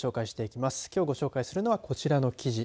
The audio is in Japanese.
きょうご紹介するのは、こちらの記事。